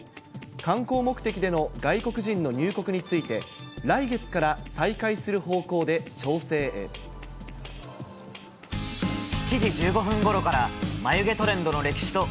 観光目的での外国人の入国について、来月から再開する方向で調整７時１５分ごろから、眉毛トレンドの歴史と、